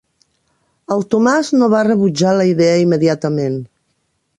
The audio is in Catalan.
El Tomàs no va rebutjar la idea immediatament.